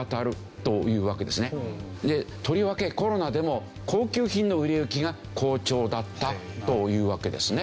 とりわけコロナでも高級品の売れ行きが好調だったというわけですね。